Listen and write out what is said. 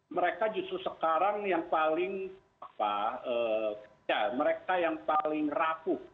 mereka justru sekarang yang paling rapuh